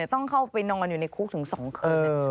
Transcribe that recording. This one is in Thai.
ต้องเข้าไปนอนอยู่ในคุกถึง๒คืน